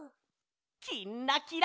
「きんらきら」。